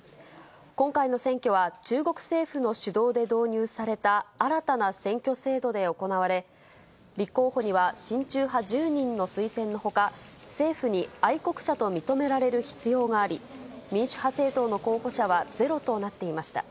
今回の選挙は、中国政府の主導で導入された新たな選挙制度で行われ、立候補には親中派１０人の推薦のほか、政府に愛国者と認められる必要があり、民主派政党の候補者はゼロとなっていました。